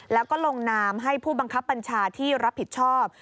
แล้วก็ลงนามให้ผู้บังคับบัญชาที่รับผิดชอบ